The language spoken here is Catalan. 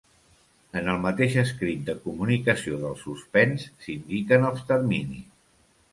En el mateix escrit de comunicació del suspens s'indiquen els terminis.